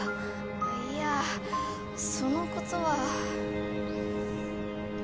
あっいやそのことは。